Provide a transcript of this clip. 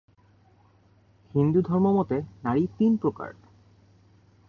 হিন্দু ধর্ম মতে নারী তিন প্রকার।